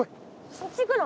そっち行くの？